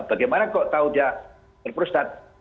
bagaimana kok tahu dia berprostat